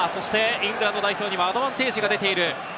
イングランド代表にはアドバンテージが出ている。